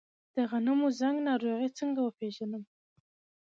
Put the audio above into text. د غنمو زنګ ناروغي څنګه وپیژنم؟